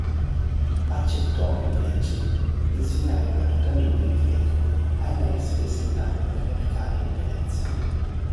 Accettò, invece, di insegnare gratuitamente il greco ai maestri del seminario patriarcale di Venezia.